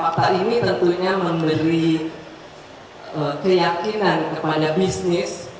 fakta ini tentunya memberi keyakinan kepada bisnis